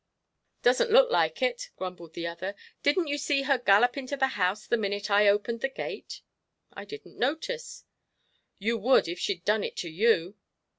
"Doesn't look like it," grumbled the other. "Didn't you see her gallop into the house the minute I opened the gate?" "I didn't notice." "You would, if she'd done it to you."